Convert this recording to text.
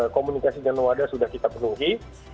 komunikasi dengan wadah sudah kita penuhi